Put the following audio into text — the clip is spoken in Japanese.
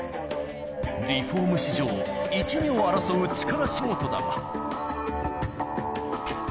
リフォーム史上１、２を争う力仕事だが。